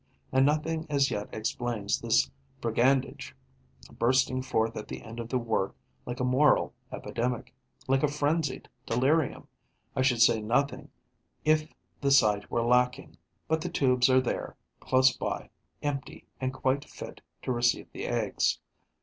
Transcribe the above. And nothing as yet explains this brigandage, bursting forth at the end of the work like a moral epidemic, like a frenzied delirium. I should say nothing if the site were lacking; but the tubes are there, close by, empty and quite fit to receive the eggs.